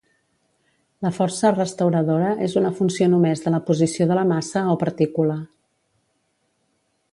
La força restauradora és una funció només de la posició de la massa o partícula.